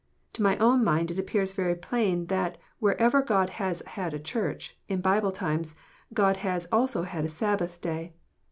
To my own mind it appears very plain that wherever God has had a Church, in Bible times, God has also had a Sabbath Day.